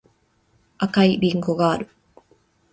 赤いりんごがある